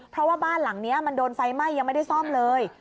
เพราะว่าบ้านหลังนี้มันโดนไฟไหม้ยังไม่ได้ซ่อมเลย